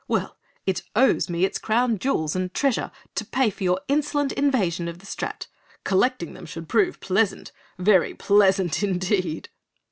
Well, it owes me its crown jewels and treasure to pay for your insolent invasion of the Strat. Collecting them should prove pleasant! Very pleasant indeed!"